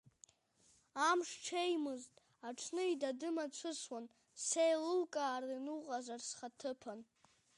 Амш ҽеимызт аҽны идады-мацәысуан, сеилукаарын уҟазар схаҭыԥан.